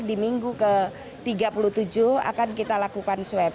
di minggu ke tiga puluh tujuh akan kita lakukan swab